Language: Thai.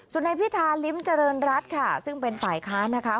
ส่วนนายพิธาลิ้มเจริญรัฐค่ะซึ่งเป็นฝ่ายค้านนะคะ